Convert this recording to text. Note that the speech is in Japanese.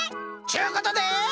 ちゅうことで。